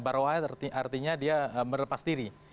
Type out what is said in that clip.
barowai artinya dia melepas diri